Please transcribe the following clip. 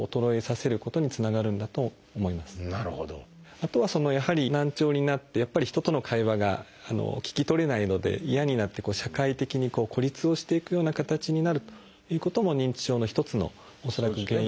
あとはやはり難聴になってやっぱり人との会話が聞き取れないので嫌になって社会的に孤立をしていくような形になるということも認知症の一つの恐らく原因。